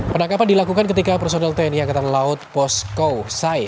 penangkapan dilakukan ketika personel tni angkatan laut posko sai